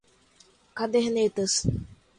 cadernetas